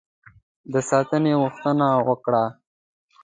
د ساتنې غوښتنه وکړه.